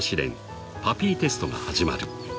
パピーテストが始まる］